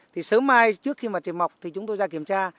thì sớm mai trước khi mà trường mọc thì chúng tôi ra kiểm tra